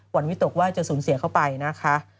วันวิตกว่าจะสูญเสียเข้าไปนะคะ